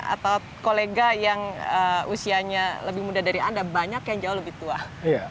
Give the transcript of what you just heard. atau kolega yang usianya lebih muda dari anda banyak yang jauh lebih tua